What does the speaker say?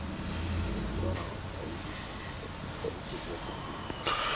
wengi wao waliishi katika nchi zote mbili